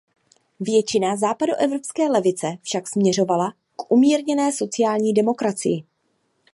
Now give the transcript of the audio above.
Většina západoevropské levice však směřovala k umírněné sociální demokracii.